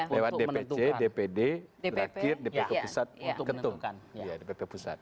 lewat dpc dpd terakhir dpi kepusat untuk menentukan